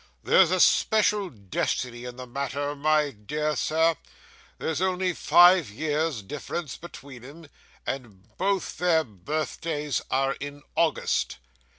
'There's a special destiny in the matter, my dear sir; there's only five years' difference between 'em, and both their birthdays are in August.